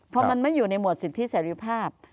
พอมันไม่อยู่ในหมวดสิทธิเสรีภาพ